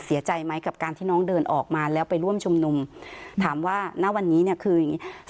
เสียใจไหมกับการที่น้องเดินออกมาแล้วไปร่วมชุมนุมถามว่าณวันนี้เนี่ยคืออย่างงี้